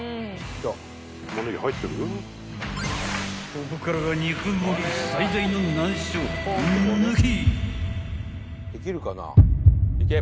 ［ここからが肉盛り最大の難所抜き］